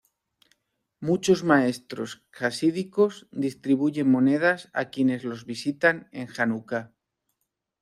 Muchos maestros jasídicos distribuyen monedas a quienes los visitan en Janucá.